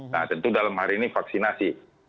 nah tentu dalam hari ini vaksinasi